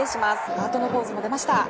ハートのポーズも出ました。